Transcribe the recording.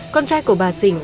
con trai của bà dình